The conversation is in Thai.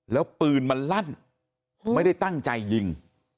แล้วปืนมันลั่นไม่ได้ตั้งใจยิง